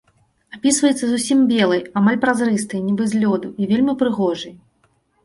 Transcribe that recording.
Апісваецца зусім белай, амаль празрыстай, нібы з лёду, і вельмі прыгожай.